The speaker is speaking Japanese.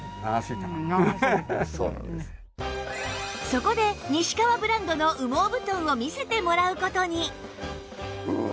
そこで西川ブランドの羽毛布団を見せてもらう事に！